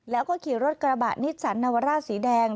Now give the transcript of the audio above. แล้วก็ขี่รถกระบะนิสสันนาวาร่าสีแดง